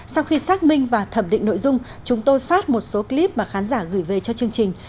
sau khi xác minh và thẩm định nội dung chúng tôi phát một số clip mà khán giả gửi về cho chương trình